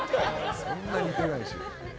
そんな似てないし。